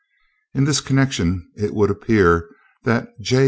In this connection, it would appear that J.